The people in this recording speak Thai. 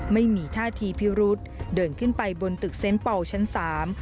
ไม่มีท่าทีพิรุษเดินขึ้นไปบนตึกเซ็นต์เป่าชั้นสาม